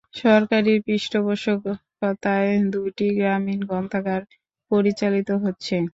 সরকারী পৃষ্ঠপোষকতায় দুটি গ্রামীণ গ্রন্থাগার পরিচালিত হচ্ছে।